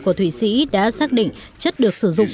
của thụy sĩ đã xác định chất được sử dụng